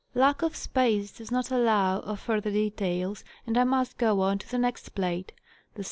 Lack of space does not allow of further details, and I must go on to the next plate, Tue Sr.